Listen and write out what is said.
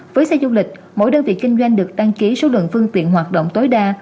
với xe du lịch mỗi đơn vị kinh doanh được đăng ký số lượng phương tiện hoạt động tối đa